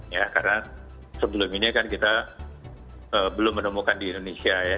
ya karena sebelum ini kan kita belum menemukan di indonesia ya